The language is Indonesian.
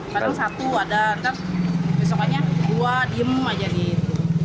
kadang satu ada besoknya dua diem aja gitu